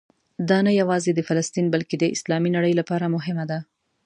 دا نه یوازې د فلسطین بلکې د اسلامي نړۍ لپاره مهمه ده.